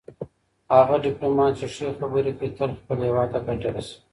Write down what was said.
هغه ډيپلوماټ چي ښې خبري کوي تل خپل هيواد ته ګټه رسوي.